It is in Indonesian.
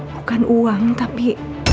bukan uang tapi